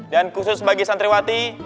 dan khusus bagi santriwati